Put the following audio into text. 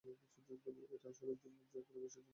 এটা আসলে বোঝাপড়া আর বিসর্জনের বিষয়।